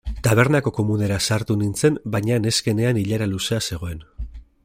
Tabernako komunera sartu nintzen baina neskenean ilara luzea zegoen.